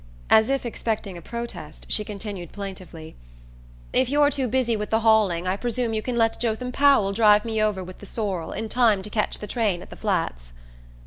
As if expecting a protest, she continued plaintively; "If you're too busy with the hauling I presume you can let Jotham Powell drive me over with the sorrel in time to ketch the train at the Flats."